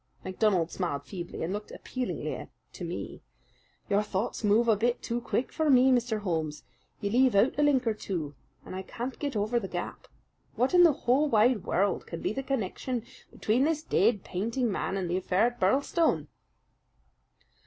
MacDonald smiled feebly, and looked appealingly to me. "Your thoughts move a bit too quick for me, Mr. Holmes. You leave out a link or two, and I can't get over the gap. What in the whole wide world can be the connection between this dead painting man and the affair at Birlstone?"